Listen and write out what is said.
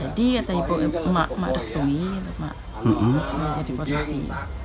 jadi ibu emak emak restuwi emak yang jadi polisi